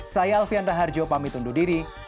saya alfian raharjo pamit undur diri